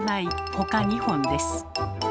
ほか２本です。